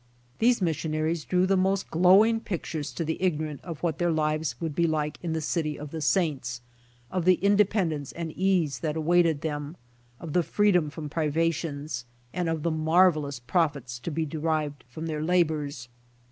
These missionaries drew the most glowing pictures to the ignorant of what their lives would be in the City of the Saints — of the independence and ease that awaited them, of the free dom from privations, and of the marvelous profits to be derived from their labors.